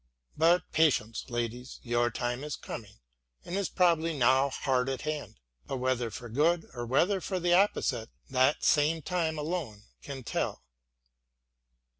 But patience, ladies, your time is coming and is probably now hard at hand, but whether for good or whether for the opposite that same time alone can tell.